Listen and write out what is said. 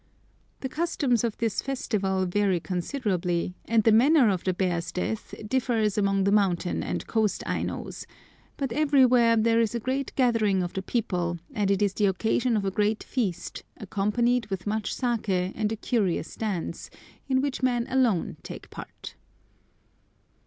The customs of this festival vary considerably, and the manner of the bear's death differs among the mountain and coast Ainos, but everywhere there is a general gathering of the people, and it is the occasion of a great feast, accompanied with much saké and a curious dance, in which men alone take part.